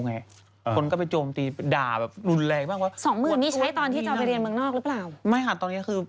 อ่ะโอเคมาดูอันนี้หน่อย